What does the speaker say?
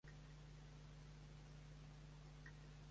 Telefona a la Rosó Cabellos.